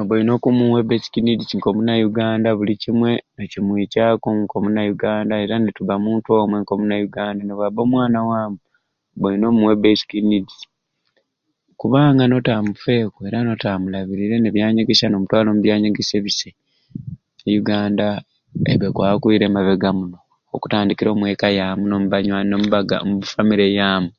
Oba olina okumuwa e besiki nidizi k'omuna Yuganda buli kimwe okukimwikyaku k'omuna Yuganda era netubba omuntu omwe k'omuna Yuganda nebwabba omwana waamu obba olina omuwa besiki nidizi kubanga n'otamufeeku era n'otamulabirire n'ebyanyegeesya n'omutwala omu byanyegesya ebisai e Yuganda ebba ekwab'okwira emabega muno okutandikira omweka yaamu n'omubanywani omubbaga omu famire yaamu.